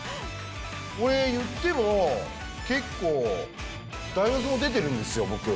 俺、言っても結構、大学も出てるんですよ、僕。